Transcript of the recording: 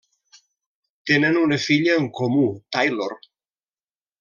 Tenen una filla en comú, Taylor.